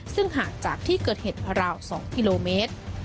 ซึ่งห่างจากที่เกิดเหตุราว๒กิโลเมตร